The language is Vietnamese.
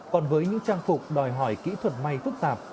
còn với những trang phục đòi hỏi kỹ thuật may phức tạp